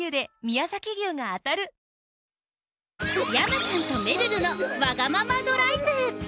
◆山ちゃんとめるるのわがままドライブ。